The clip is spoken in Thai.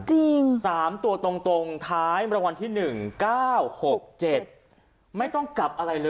มันกลับไปเล็งรวยห่วงสำหรับเรื่องของท่าว่าไหน